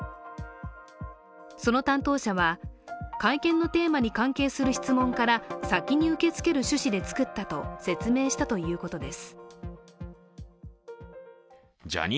その担当者は会見のテーマに関係する質問から先に受け付ける趣旨で作ったと説明したということです。